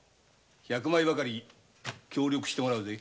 百枚ばかり協力してもらうぜ。